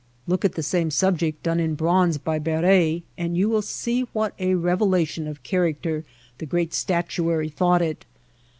Look at the same subject done in bronze by Barye and you will see what a revelation of character the great statuary thought it.